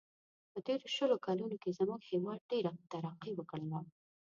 په تېرو شلو کلونو کې زموږ هیواد ډېره ترقي و کړله.